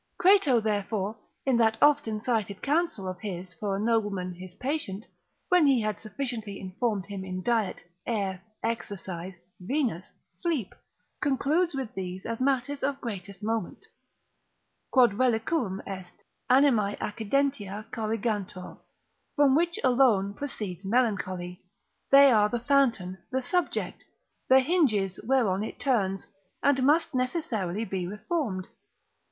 Crato, therefore, in that often cited Counsel of his for a nobleman his patient, when he had sufficiently informed him in diet, air, exercise, Venus, sleep, concludes with these as matters of greatest moment, Quod reliquum est, animae accidentia corrigantur, from which alone proceeds melancholy; they are the fountain, the subject, the hinges whereon it turns, and must necessarily be reformed.